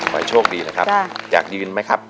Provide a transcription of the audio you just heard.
ขอให้โชคดีนะครับอยากยืนไหมครับ